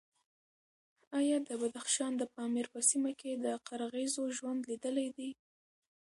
ایا د بدخشان د پامیر په سیمه کې د قرغیزو ژوند لیدلی دی؟